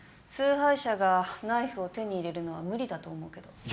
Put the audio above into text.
崇拝者がナイフを手に入れるのは無理だと思うけど。